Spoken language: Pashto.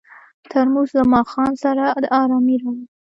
ترموز له ماښام سره ارامي راوړي.